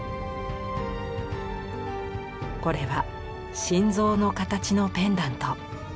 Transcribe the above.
これは心臓の形のペンダント。